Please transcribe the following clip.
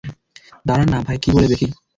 দাঁড়ান না, ভাই কী বলে দেখি!